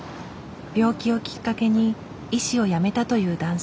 病気をきっかけに医師をやめたという男性。